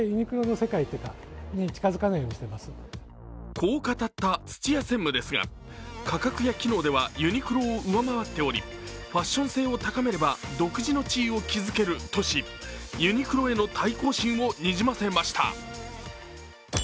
こう語った土屋専務ですが価格や機能ではユニクロを上回っており、ファッション性を高めれば独自の地位を築けるとしユニクロへの対抗心をにじませました。